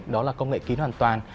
đó là công nghệ kín hoàn toàn